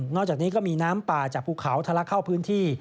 อกจากนี้ก็มีน้ำป่าจากภูเขาทะลักเข้าพื้นที่